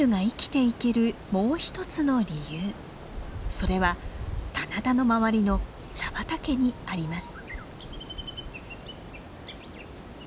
それは棚田の周りの茶畑にあります。